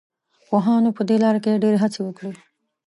پوهانو په دې لاره کې ډېرې هڅې وکړې.